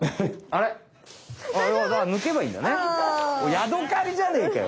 ヤドカリじゃねえかよ！